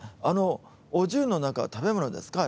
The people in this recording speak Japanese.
お重の中は、食べ物ですか？